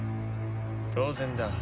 当然だ。